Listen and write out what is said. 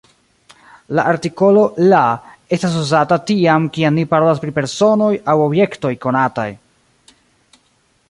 La artikolo « la » estas uzata tiam, kiam ni parolas pri personoj aŭ objektoj konataj.